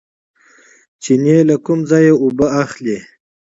چینې له کوم ځای اوبه اخلي؟